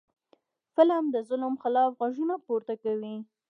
فلم د ظلم خلاف غږ پورته کوي